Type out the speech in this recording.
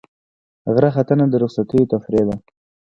غره ختنه د رخصتیو تفریح ده.